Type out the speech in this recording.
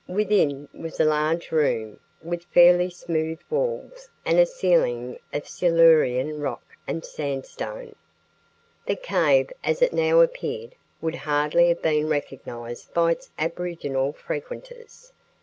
Within was a large room with fairly smooth walls and ceiling of Silurian rock and sandstone. The cave as it now appeared would hardly have been recognized by its aboriginal frequenters.